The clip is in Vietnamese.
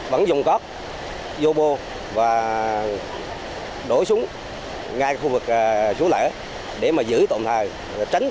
vẫn dùng cóc vô bô và đổ xuống ngay khu vực xuống lở để mà giữ tổng thà tránh